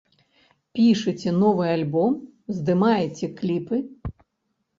Пішыце новы альбом, здымаеце кліпы?